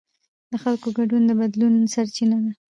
د خلکو ګډون د بدلون سرچینه ده